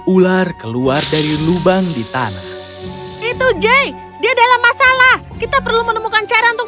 ular keluar dari lubang di tanah itu jay dia dalam masalah kita perlu menemukan cara untuk